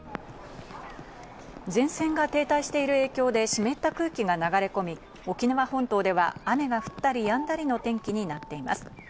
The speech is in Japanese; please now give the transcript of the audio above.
前線が停滞している影響で湿った空気が流れ込み、沖縄本島では雨が降ったり、やんだりの天気になっています。